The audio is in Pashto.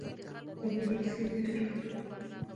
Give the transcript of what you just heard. د کمپیوټر فین مې ډېر غږ کوي.